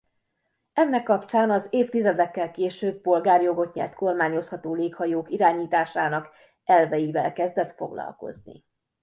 Ennek kapcsán az évtizedekkel később polgárjogot nyert kormányozható léghajók irányításának elveivel kezdett foglalkozni.